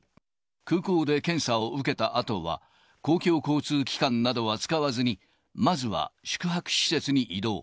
空港で検査を受けたあとは、公共交通機関などは使わずに、まずは宿泊施設に移動。